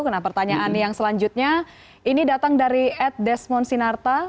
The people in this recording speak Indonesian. karena pertanyaan yang selanjutnya ini datang dari ed desmond sinarta